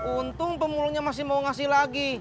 untung pemulungnya masih mau ngasih lagi